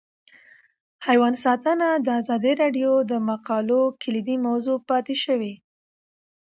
حیوان ساتنه د ازادي راډیو د مقالو کلیدي موضوع پاتې شوی.